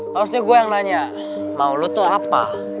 harusnya gue yang nanya mau lo tuh apa